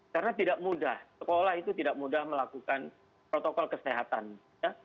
karena tidak mudah sekolah itu tidak mudah melakukan protokol kesehatan ya